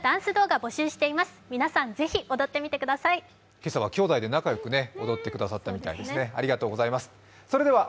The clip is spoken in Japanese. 今朝は兄弟で仲良く踊ってくださったみたいですね。